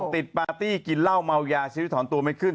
ปาร์ตี้กินเหล้าเมายาชีวิตถอนตัวไม่ขึ้น